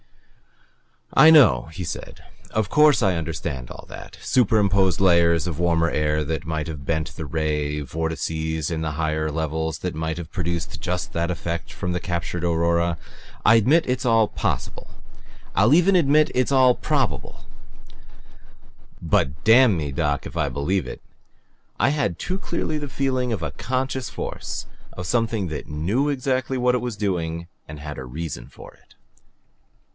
"I know," he said. "Of course I understand all that superimposed layers of warmer air that might have bent the ray; vortices in the higher levels that might have produced just that effect of the captured aurora. I admit it's all possible. I'll even admit it's all probable, but damn me, Doc, if I BELIEVE it! I had too clearly the feeling of a CONSCIOUS force, a something that KNEW exactly what it was doing and had a REASON for it."